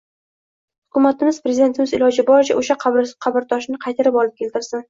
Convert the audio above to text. Hukumatimiz, prezidentimiz iloji boricha o‘sha qabrtoshni qaytarib olib keltirsin.